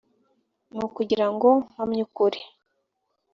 ni ukugira ngo mpamye ukuri